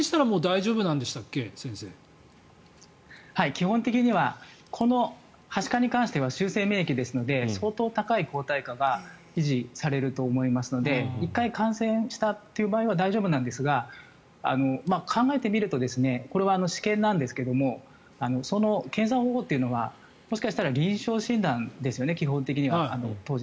基本的にはこのはしかに関しては終生免疫ですので相当高い抗体価が維持されると思いますので１回感染したという場合は大丈夫なんですが考えてみるとこれは私見なんですがその検査方法というのがもしかしたら臨床診断ですよね当時は基本的に。